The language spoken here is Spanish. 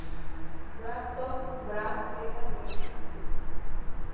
Braxton Bragg era de origen humilde.